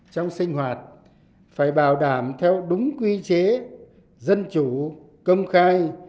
trong sinh hoạt phải bảo đảm theo đúng quy chế dân chủ công khai